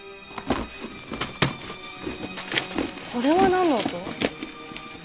これはなんの音？